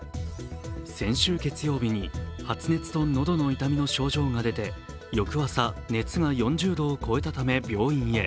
先週月曜日に発熱と喉の痛みの症状が出て翌朝、熱が４０度を超えたため病院へ。